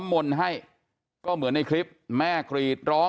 มันแสบใม่ร้อน